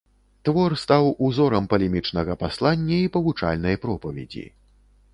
Твор стаў узорам палемічнага паслання і павучальнай пропаведзі.